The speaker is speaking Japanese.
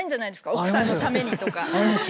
奥さんのためにとか。